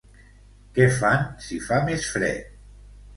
Què fan si fa més fred?